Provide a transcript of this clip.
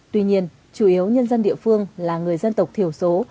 tuy nhiên chủ yếu nhân dân địa phương là người dân tộc thiểu số